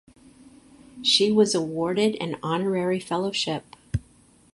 She was awarded an honorary fellowship.